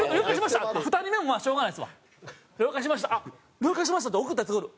「了解しました」って送ったヤツがおる。